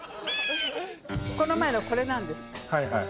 この前のこれなんです。